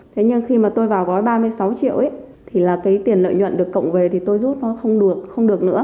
thế nhưng khi mà tôi vào gói ba mươi sáu triệu ấy là cái tiền lợi nhuận được cộng về thì tôi rút nó không được không được nữa